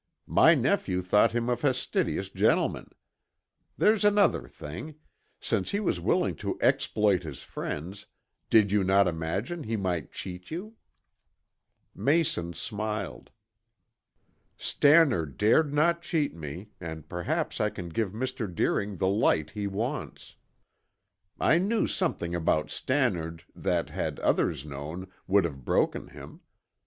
My nephew thought him a fastidious gentleman. There's another thing: since he was willing to exploit his friends, did you not imagine he might cheat you?" Mayson smiled. "Stannard dared not cheat me, and perhaps I can give Mr. Deering the light he wants. I knew something about Stannard that, had others known, would have broken him.